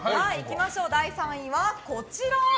第３位は、こちら。